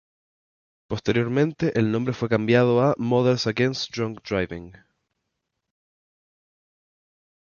Posteriormente el nombre fue cambiado por Mothers Against Drunk Driving.